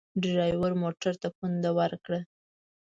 ډریور موټر ته پونده ورکړه.